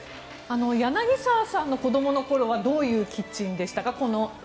柳澤さんの子供のころはどういうキッチンでしたか？